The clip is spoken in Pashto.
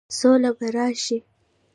سوله به راشي؟